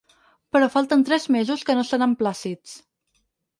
Però falten tres mesos que no seran plàcids.